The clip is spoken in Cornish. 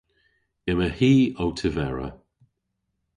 Yma hi ow tevera.